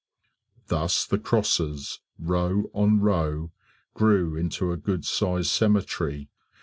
Thus the crosses, row on row, grew into a good sized cemetery.